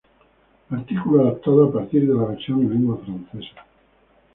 Artículo adaptado a partir de la versión en lengua francesa.